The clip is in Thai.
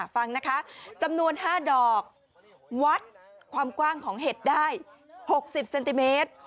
ฟังนะคะจำนวน๕ดอกวัดความกว้างของเห็ดได้๖๐เซนติเมตร